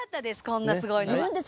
こんなすごいのは。